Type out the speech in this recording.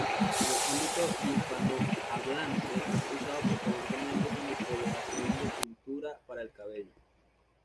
En el ámbito hispanohablante es usado preferentemente como coloración de tintura para el cabello.